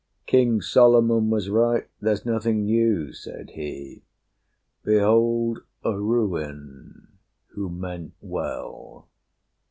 "King Solomon was right, there's nothing new," Said he. "Behold a ruin who meant well."